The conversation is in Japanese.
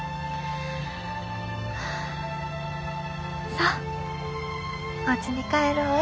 さあおうちに帰ろうえ。